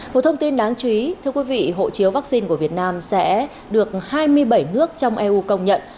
một thông tin đáng chú ý thưa quý vị hộ chiếu vaccine của việt nam sẽ được hai mươi bảy nước trong eu công nhận